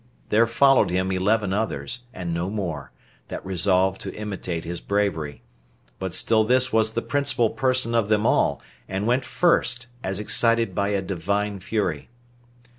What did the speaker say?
There followed him eleven others, and no more, that resolved to imitate his bravery; but still this was the principal person of them all, and went first, as excited by a divine fury.